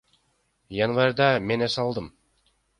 Январда мен эс алдым.